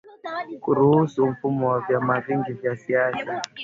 kuruhusu mfumo wa vyama vingi vya siasa